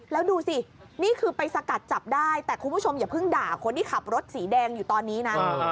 แล้วดูสินี่คือไปสกัดจับได้แต่คุณผู้ชมอย่าเพิ่งด่าคนที่ขับรถสีแดงอยู่ตอนนี้นะ